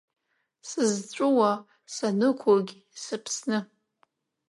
Сызҵәыуо санықәугь сыԥсны.